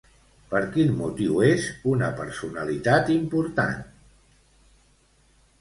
Per quin motiu és una personalitat important?